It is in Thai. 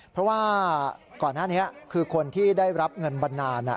เพราะว่าก่อนหน้านี้คือคนที่ได้รับเงินบันนาน